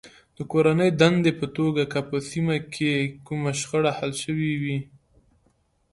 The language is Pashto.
د کورنۍ دندې په توګه که په سیمه کې کومه شخړه حل شوې وي.